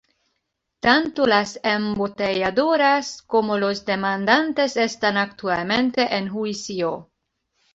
Tanto las embotelladoras como los demandantes están actualmente en juicio.